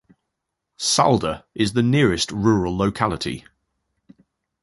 Salda is the nearest rural locality.